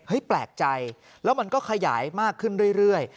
แปลกใจแล้วมันก็ขยายมากขึ้นเรื่อย